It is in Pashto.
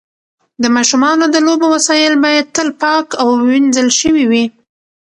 د ماشومانو د لوبو وسایل باید تل پاک او وینځل شوي وي.